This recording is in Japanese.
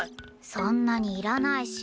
そんなにいらないし。